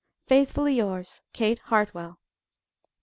"Faithfully yours, "KATE HARTWELL.